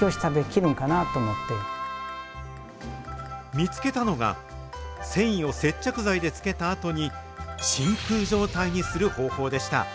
見つけたのが、繊維を接着剤でつけたあとに、真空状態にする方法でした。